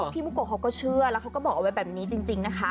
บุโกะเขาก็เชื่อแล้วเขาก็บอกเอาไว้แบบนี้จริงนะคะ